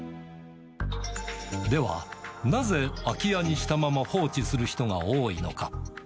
では、なぜ空き家にしたまま放置する人が多いのか。